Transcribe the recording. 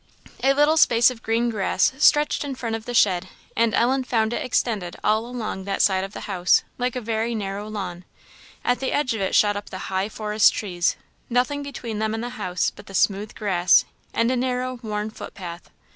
A little space of green grass stretched in front of the shed, and Ellen found it extended all along that side of the house like a very narrow lawn; at the edge of it shot up the high forest trees nothing between them and the house but the smooth grass, and a narrow, worn footpath.